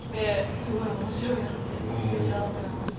すごい面白いなってすてきだなって思いました。